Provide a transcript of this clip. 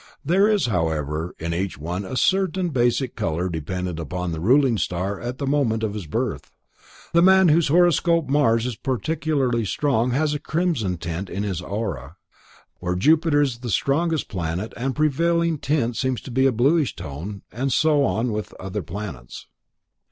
There is however in each one a certain basic color dependent upon the ruling star at the moment of his birth. The man in whose horoscope Mars is peculiarly strong usually has a crimson tint in his aura, where Jupiter is the strongest planet the prevailing tint seems to be a bluish tone, and so on with the other planets.